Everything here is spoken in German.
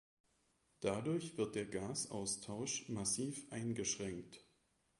Dadurch wird der Gasaustausch massiv eingeschränkt.